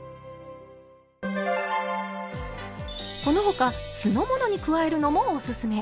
この他酢の物に加えるのもおすすめ。